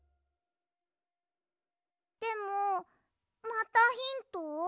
でもまたヒント？